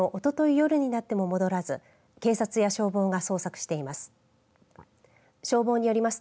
夜になっても戻らず警察や消防が捜索をしています。